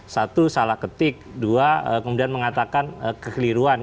satu salah ketik dua kemudian mengatakan kekeliruan